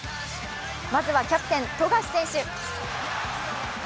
まずはキャプテン・富樫選手。